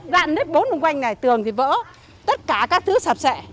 dạng nứt bốn vùng quanh này tường thì vỡ tất cả các thứ sạp sẹ